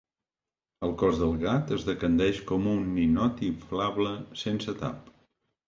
El cos del gat es decandeix com un ninot inflable sense tap.